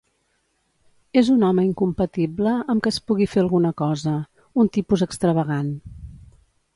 És un home incompatible amb que es pugui fer alguna cosa, un tipus extravagant.